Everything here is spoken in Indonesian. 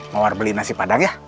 mau war beli nasi padang ya